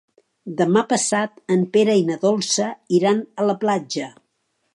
Demà passat en Pere i na Dolça iran a la platja.